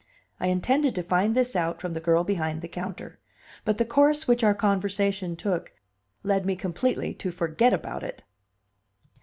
I intended to find this out from the girl behind the counter, but the course which our conversation took led me completely to forget about it.